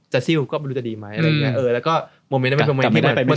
จาซิ้วก็รู้จะดีมั้ยอะไรแบบนั้น